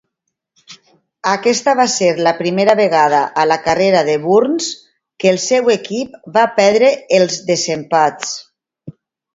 Aquesta va ser la primera vegada a la carrera de Burns que el seu equip va perdre els desempats.